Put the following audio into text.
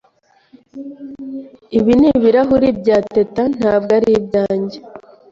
Ibi ni ibirahuri bya Teta, ntabwo ari ibyanjye.